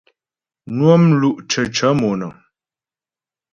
Nwə́ mlú' cəcə̂ mònə̀ŋ.